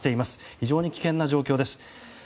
非常に危険な状況です。